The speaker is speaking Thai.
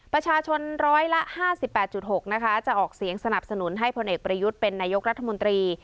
ประชาชนร้อยละ๕๘๖นะคะจะออกเสียงสนับสนุนให้พลเอกประยุทธ์เป็นนายกรัฐมนตรี